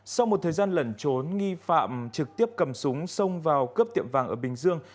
sau một thời gian lẩn trốn nghi phạm trực tiếp cầm súng xông vào cướp tiệm vàng ở bình dương